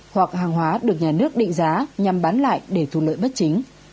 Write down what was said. hoặc hàng hóa được nhà nước định giá nhằm bán lại để thu lợi bất chính